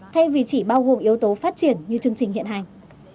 thay vì chỉ bao gồm yếu tố phát triển như chương trình hiện hành